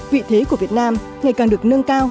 vị thế của việt nam ngày càng được nâng cao